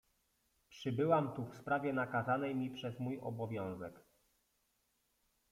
Przybyłam tu w sprawie, nakazanej mi przez mój obowiązek.